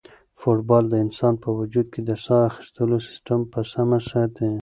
فوټبال د انسان په وجود کې د ساه اخیستلو سیسټم په سمه ساتي.